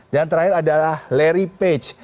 dan terakhir adalah larry page